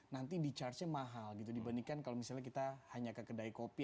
nanti di charge nya mahal gitu dibandingkan kalau misalnya kita hanya ke kedai kopi